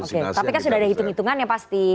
tapi kan sudah ada hitung hitungannya pasti